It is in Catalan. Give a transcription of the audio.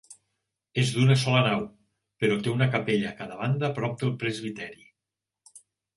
És d'una sola nau, però té una capella a cada banda prop del presbiteri.